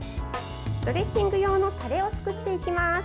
ドレッシング用のタレを作っていきます。